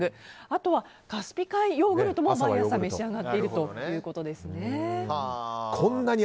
あとはカスピ海ヨーグルトも毎朝召し上がっていると。